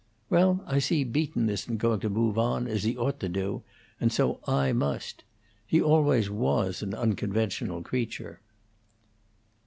Well, I see Beaton isn't going to move on, as he ought to do; and so I must. He always was an unconventional creature."